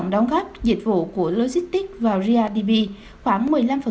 tổng đồng góp dịch vụ của logistic vào ria db khoảng một mươi năm